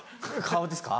顔ですか？